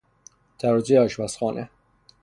ترازوی آشپزخانه